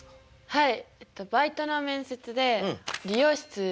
はい。